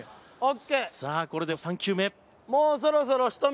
さあこれで３球目。